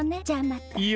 じゃあまた。